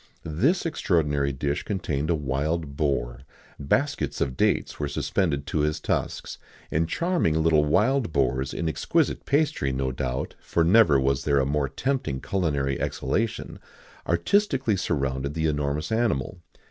This extraordinary dish contained a wild boar; baskets of dates were suspended to his tusks, and charming little wild boars, in exquisite pastry, no doubt for never was there a more tempting culinary exhalation artistically surrounded the enormous animal.